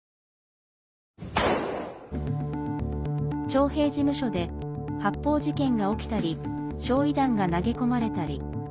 徴兵事務所で発砲事件が起きたり焼い弾が投げ込まれたり。